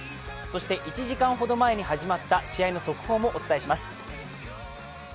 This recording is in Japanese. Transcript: そして１時間ほど前から始まった試合の速報もお伝えします。